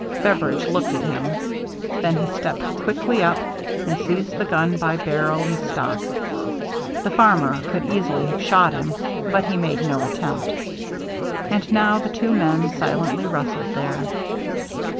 Beveridge looked at him, then he stepped quickly up and seized the gun by barrel and stock. The farmer could easily have shot him, but he made no attempt. And now the two men silently wrestled there.